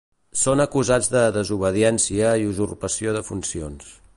Són acusats de desobediència i usurpació de funcions.